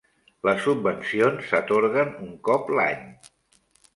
Les subvencions s'atorguen un cop l'any.